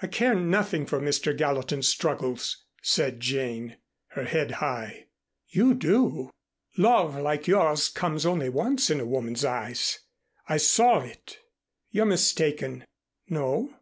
"I care nothing for Mr. Gallatin's struggles," said Jane, her head high. "You do. Love like yours comes only once in a woman's eyes. I saw it " "You're mistaken." "No.